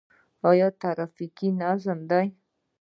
آیا ټرافیک منظم دی؟